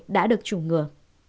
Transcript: đã được chủng ngừa